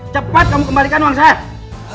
cepat kamu kembalikan uang saya